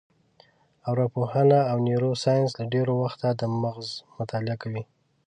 ارواپوهنه او نیورو ساینس له ډېره وخته د مغز مطالعه کوي.